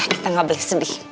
kita gak beli sedih